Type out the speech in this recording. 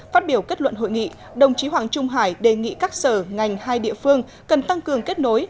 phát biểu kết luận hội nghị đồng chí hoàng trung hải đề nghị các sở ngành hai địa phương cần tăng cường kết nối